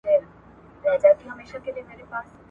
اقتصادي پرمختګ ټولنیزه همکاري پیاوړې کوي.